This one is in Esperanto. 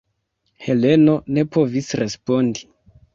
Heleno ne povis respondi.